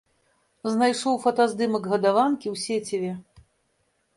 Знайшоў фотаздымак гадаванкі ў сеціве.